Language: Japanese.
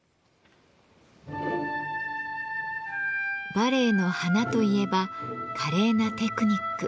バレエの華といえば華麗なテクニック。